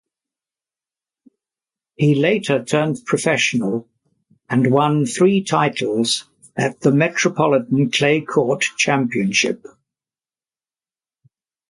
He later turned professional and won three titles at the Metropolitan Clay Court Championship.